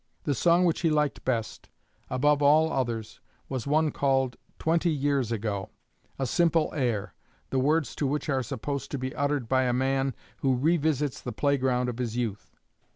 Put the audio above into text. The song which he liked best, above all others, was one called 'Twenty Years Ago' a simple air, the words to which are supposed to be uttered by a man who revisits the playground of his youth.